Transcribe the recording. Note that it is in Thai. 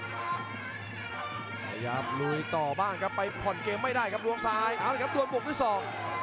พยายามลุยต่อบ้างครับไปผ่อนเกมไม่ได้ครับล้วงซ้ายเอาเลยครับโดนบวกด้วยสอง